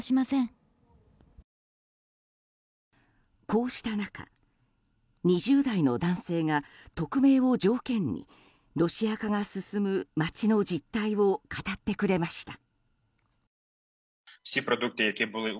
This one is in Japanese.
こうした中、２０代の男性が匿名を条件にロシア化が進む街の実態を語ってくれました。